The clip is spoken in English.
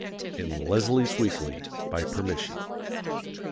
in "Leslie's Weekly," by permission.